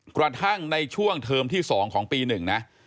กระทั่งในช่วงเทอมที่๒ของปี๑นะ